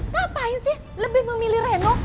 ngapain sih lebih memilih reno